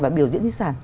và biểu diễn di sản